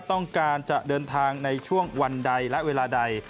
ต้องการจะเดินทางในช่วงวันใดและเวลาใด